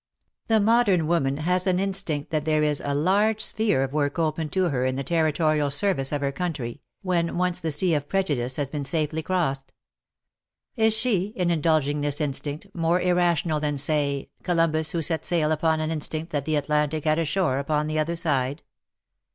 The modern woman has an instinct that there is a large sphere of work open to her in the Territorial service of her country, when once the sea of prejudice has been safely crossed. Is she, in indulging this instinct, more irrational than say, Columbus, who set sail upon an instinct that the Atlantic had a shore upon the other side